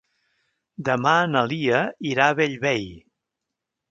Demà na Lia irà a Bellvei.